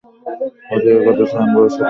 অতীতের কথা ছাড়েন ভবিষ্যতের কথা চিন্তা করেন।